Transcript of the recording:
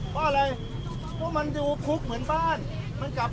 ผมเคยถูกอุ่มไปแล้ว